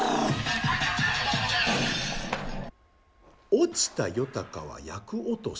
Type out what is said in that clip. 「落ちた夜鷹は厄落し」